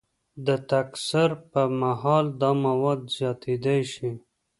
د تکثر پر مهال دا مواد زیاتیدای شي.